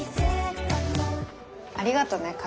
ありがとね